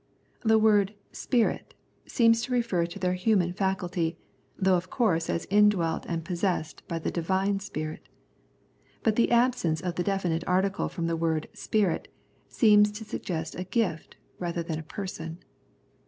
The word " spirit " seems to refer to their human faculty, though of course as indwelt and possessed by the Divine Spirit. But the absence of the de finite article from the word " spirit " seems to suggest a gift rather than a Person.